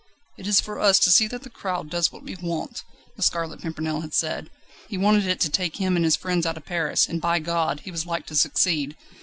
"It is for us to see that the crowd does what we want," the Scarlet Pimpernel had said. He wanted it to take him and his friends out of Paris, and, by God! he was like to succeed.